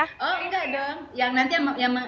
oh enggak dong